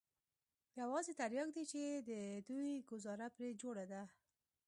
يوازې ترياک دي چې د دوى گوزاره پرې جوړه ده.